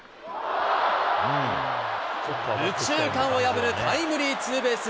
右中間を破るタイムリーツーベース。